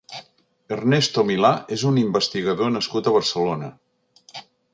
Ernesto Milá és un investigador nascut a Barcelona.